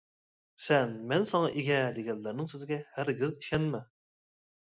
سەن «مەن ساڭا ئىگە» دېگەنلەرنىڭ سۆزىگە ھەرگىز ئىشەنمە!